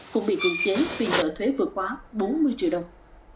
cũng bị cưỡng chế vì nợ thuế vượt quá bốn mươi triệu đồng